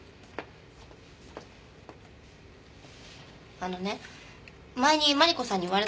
あのね前にマリコさんに言われたんだ。